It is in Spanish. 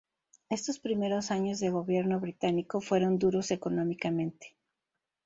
Estos primeros años de gobierno británico fueron duros económicamente.